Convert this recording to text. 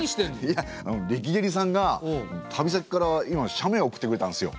いやレキデリさんが旅先から今写メ送ってくれたんですよ。